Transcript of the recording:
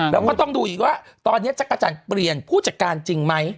แล้วก็ต้องดูอีกว่าตอนนี้จักรจันทร์เปลี่ยนผู้จัดการจริงไหม